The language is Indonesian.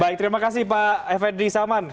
baik terima kasih pak effendi salman